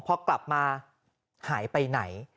พอกลับมาหายไปไหน